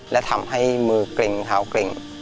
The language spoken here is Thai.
และทำให้มือเกร็งเท้าเกร็ง